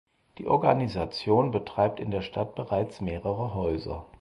Die Organisation betreibt in der Stadt bereits mehrere Häuser.